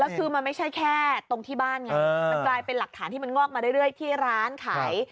แล้วคือมันไม่ใช่แค่ตรงที่บ้านไงมันกลายเป็นหลักฐานที่มันงอกมาเรื่อยที่ร้านขาย